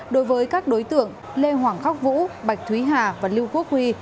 đối với các đối tượng lê hoàng khắc vũ bạch thúy hà và lưu quốc huy